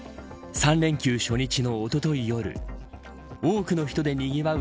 ３連休初日のおととい夜多くの人でにぎわう